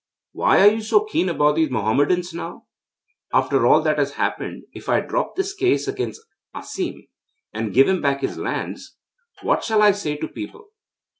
Why are you so keen about these Mohammedans now? After all that has happened, if I drop this case against Asim, and give him back his lands, what shall I say to people?'